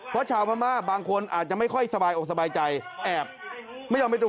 เพราะชาวพม่าบางคนอาจจะไม่ค่อยสบายอกสบายใจแอบไม่ยอมไปดู